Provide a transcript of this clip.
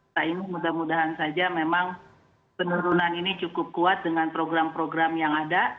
nah ini mudah mudahan saja memang penurunan ini cukup kuat dengan program program yang ada